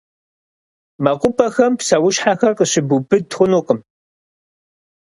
МэкъупӀэхэм псэущхьэхэр къыщыбубыд хъунукъым.